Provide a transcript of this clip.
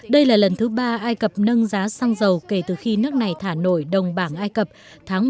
đây là lần thứ ba ai cập nâng giá xăng dầu kể từ khi nước này thả nổi đồng bảng ai cập tháng một mươi một năm hai nghìn một mươi sáu